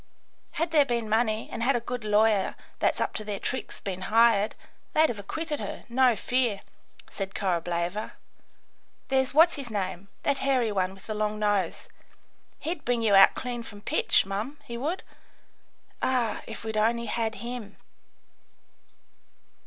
Had there been money, and had a good lawyer that's up to their tricks been hired, they'd have acquitted her, no fear," said Korableva. "There's what's his name that hairy one with the long nose. He'd bring you out clean from pitch, mum, he would. Ah, if we'd only had him!"